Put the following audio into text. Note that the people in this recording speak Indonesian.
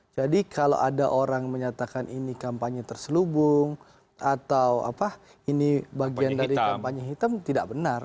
jadi kalau ada orang menyatakan ini kampanye terselubung atau apa ini bagian dari kampanye hitam tidak benar